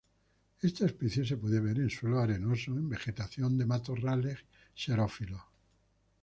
Esta especie se puede ver en suelos arenosos en vegetación de matorrales xerófilos.